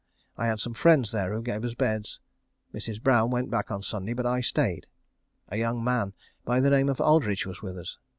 I had some friends there who gave us beds. Mrs. Brown went back on Sunday, but I stayed. A young man by the name of Aldridge was with us.